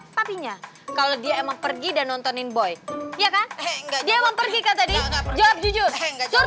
papinya kalau dia emang pergi dan nontonin boy ya kan dia mau pergi ke tadi jawab jujur